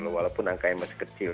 walaupun angkanya masih kecil